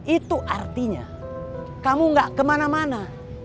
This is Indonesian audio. itu artinya kamu gak kemana mana